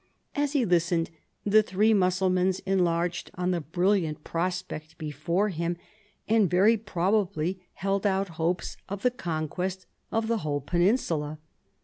As he listened, the three Mussulmans enlarged on the brilliant prospect before him, and very probably held out hopes of the conquest of the whole peninsula.